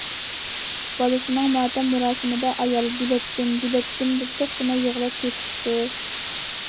بالىسىنىڭ ماتەم مۇراسىمىدا ئايال:« بىلەتتىم، بىلەتتىم» دەپ توختىماي يىغلاپ كېتىپتۇ.